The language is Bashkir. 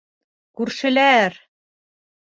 Күршеләр!